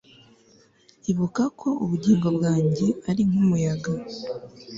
ibuka ko ubugingo bwanjye ari nk'umuyaga